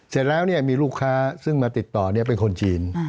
เสร็จแล้วเนี่ยมีลูกค้าซึ่งมาติดต่อเนี่ยเป็นคนจีน